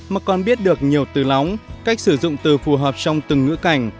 mà còn biết được nhiều từ lóng cách sử dụng từ phù hợp trong từng ngữ cảnh